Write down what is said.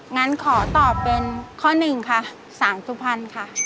งั้นขอตอบเป็นข้อ๑ค่ะสารสุขภัณฑ์ค่ะ